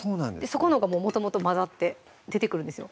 そこのがもともと混ざって出てくるんですよ